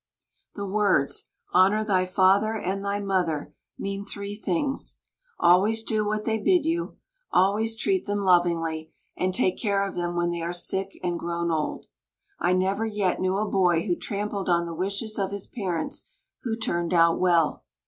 The words, "Honor thy father and thy mother," mean three things, always do what they bid you, always treat them lovingly, and take care of them when they are sick and grown old. I never yet knew a boy who trampled on the wishes of his parents who turned out well.